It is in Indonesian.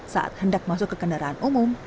saat hendak masuk ke kendaraan umum